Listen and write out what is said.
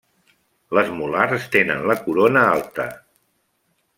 Les molars tenen la corona alta.